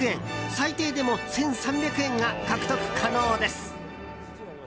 最低でも１３００円が獲得可能です！